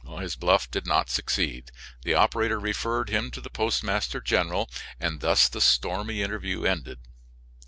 His bluff did not succeed. The operator referred him to the postmaster general, and thus the stormy interview ended.